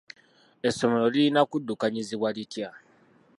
Essomero lirina kuddukanyizibwa litya?